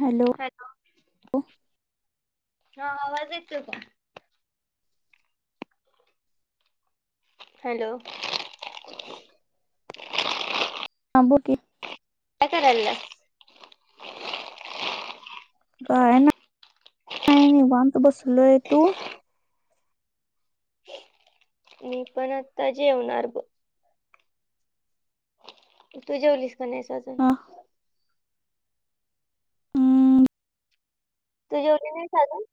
Hello! Hello! हा आवाज येतोय का? हॅलो! हा बोल की. काय करायला? [inaudible] काय नाही, निवांत बसलोय. तू? मी परत जेवणार ब तू जेवलीस का नाहीस अजून? हा हम्म तू जेवली नाही का अजून?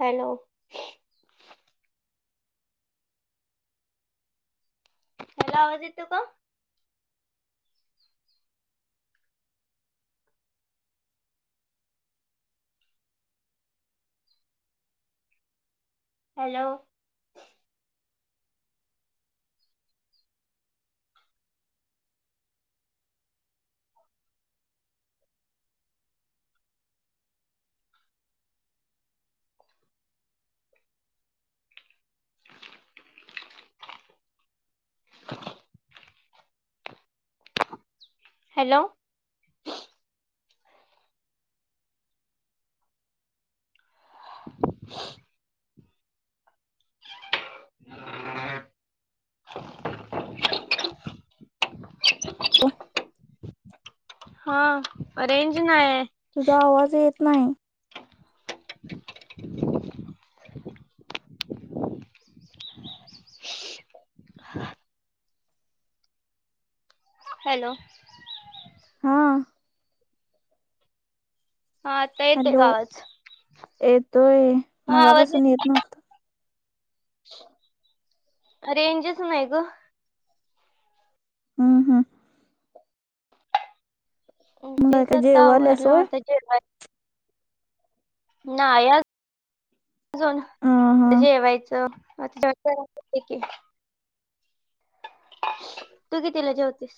हॅलो! हॅलो! आवाज येतोय का? हॅलो! हॅलो! [inaudible] हा, रेंज नाही आहे. तुझा आवाज येत नाही. [inaudible] हॅलो! हा हा आता येतोय हॅलो! का आवाज? येतोय हा आवाज मगापासून येत नव्हत. रेंजच नाही ग. हम् हम. अ मग तेच काय आता जेवाल्यास आवरलं, होय आता जेवायच. नाही अजून हा आत्ता हा जेवायचा [unintelligible] तू कितीला जेवतीस?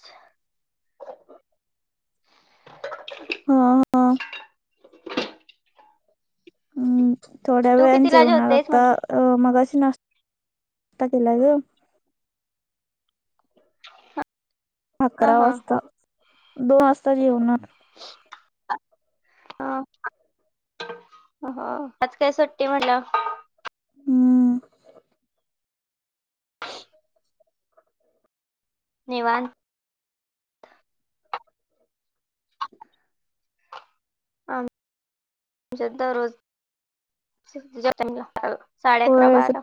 हम्म. हम्म थोड्या तू वेळान कितीला जेवणार जेवतेस आता? म्हटलं? अ मगाशी नाश्ता केलाय ग? हा अकरा हा वाजता दोन वाजता जेवणार? हा. हो आज काय सुट्टी म्हटल्यावर? हम्म. निवात. [inaudible] आमच्यात दररोज [unintelligible] साडे अकरा होय बारा.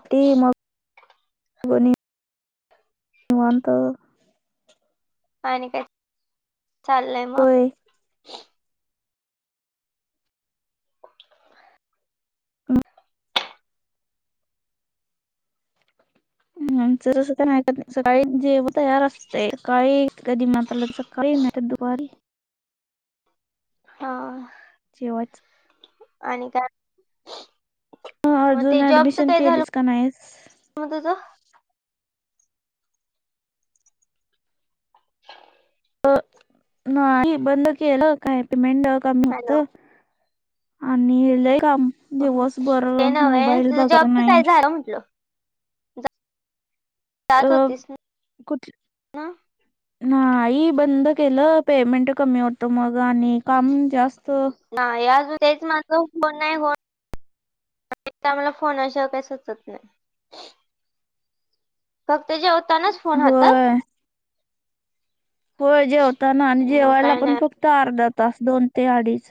बणे [unintelligible] निवांत. आणि काय चाललंय मग? होय हम्म आमच तस काय नाही सकाळी जेवण तयार असतय सकाळी कधी [unintelligible] सकाळी नाहितर दुपारी. हा. जेवायच. आणि काय? ह मग अजून ऍडमिशन केलीस का नाहीस? [unintelligible] तुझ नाही बंद केलं काय पेमेंट कमी होत हॅलो आणि लय काम हम्म. दिवसभर ते नव्हे मोबाईल तुझं बघायचा जॉबचं नाही? काय झालं म्हटलं जात अं होतीस कुठ [inaudible] नाही बंद केलं पेमेंट कमी होतं मग आणि काम जास्त नाही अजून तेच माझ हो नाही हो होत. आम्हाला फोना शिवाय काही सुचत नाही. फक्त जेवतानाच फोन हातात. होय होय जेवताना आणि मग जेवायला काय पण नाही फक्त अर्धा तास दोन ते अडीच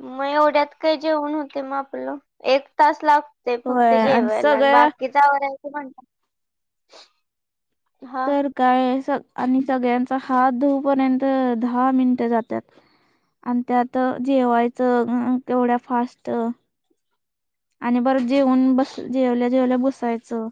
मग एवढ्यात काय जेवूण होतय मग आपलं एक तास लाग होय तय जेवायला आणि सगळ्या बाकीच आवरायच म्हणत तर काय आणि सगळ्यांचा हात धुऊपर्यंत दहा मिनिट जात्यात. आणि त्यात जेवायचं केवढ्या फास्ट. आणि बरं जेवून बस जेवल्या जेवल्या बसायचं?